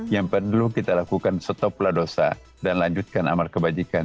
yang penting kita lakukan setoplah dosa dan lanjutkan amal kebajikan